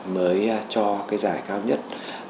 mới cho cái giải cao nhất